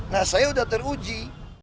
nah saya udah teruji